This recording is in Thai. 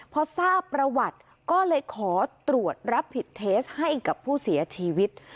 พอทราบประวัติก็เลยขอตรวจรับผิดเทสให้กับผู้เสียชีวิต